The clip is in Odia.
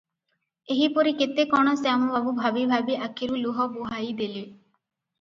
ଏହିପରି କେତେ କଣ ଶ୍ୟାମବାବୁ ଭାବି ଭାବି ଆଖିରୁ ଲୁହ ବୁହାଇ ଦେଲେ ।